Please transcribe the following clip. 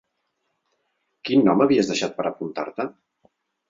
Quin nom havies deixat per apuntar-te?